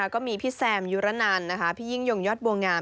ก็มีพี่แซมยูระนานพี่ยิ้งย่องยอดบูหงาม